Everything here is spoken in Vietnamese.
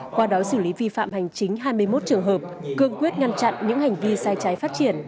qua đó xử lý vi phạm hành chính hai mươi một trường hợp cương quyết ngăn chặn những hành vi sai trái phát triển